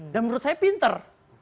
dan menurut saya pinter